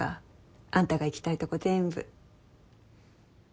あんたが行きたいとこ全部。